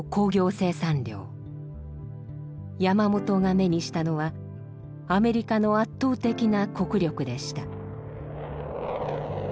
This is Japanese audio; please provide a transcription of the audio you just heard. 山本が目にしたのはアメリカの圧倒的な国力でした。